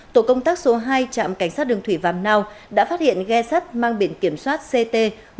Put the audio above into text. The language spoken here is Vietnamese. tổ công tác số hai trạm cảnh sát đường thủy vàm nào đã phát hiện ghe sắt mang biển kiểm soát ct một mươi nghìn chín mươi bảy